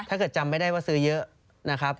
ถ้าเกิดจำไม่ได้ว่าซื้อเยอะนะครับ